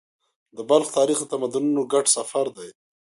د بلخ تاریخ د تمدنونو ګډ سفر دی.